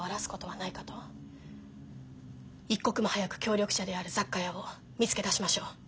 一刻も早く協力者である雑貨屋を見つけ出しましょう。